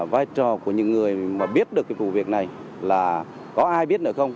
vai trò của những người mà biết được cái vụ việc này là có ai biết được không